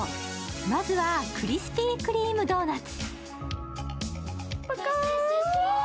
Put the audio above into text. まずはクリスピークリームドーナツ。